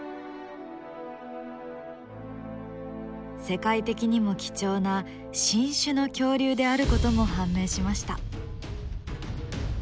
世界的にも貴重な新種の恐竜であることも判明しました。